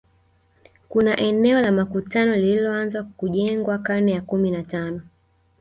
Kuna eneo la makutano lililoanza kujengwa karne ya kumi na tano